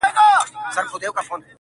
ستا سومه، چي ستا سومه، چي ستا سومه.